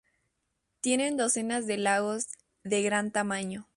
Tiene docenas de lagos de gran tamaño.